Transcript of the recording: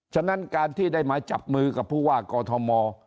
ฉะนั้นการที่ได้มาจับมือกับผู้ว่ากอทม